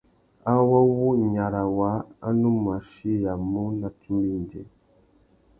Awô wu nyara waā a nù mù achiyamú nà tsumba indjê.